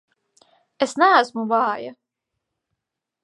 Es neesmu vāja!